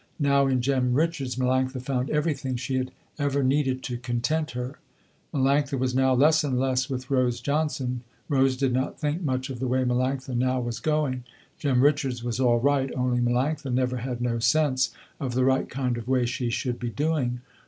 Now in Jem Richards, Melanctha found everything she had ever needed to content her. Melanctha was now less and less with Rose Johnson. Rose did not think much of the way Melanctha now was going. Jem Richards was all right, only Melanctha never had no sense of the right kind of way she should be doing.